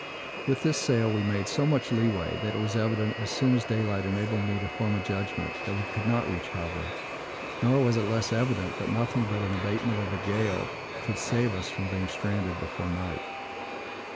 With this sail, we made so much lee way, that it was evident, as soon as daylight enabled me to form a judgment, that we could not reach Havre; nor was it less evident, that nothing but an abatement of the gale could save us from being stranded before night.